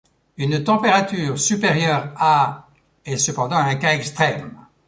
Une température supérieure à est cependant un cas extrême.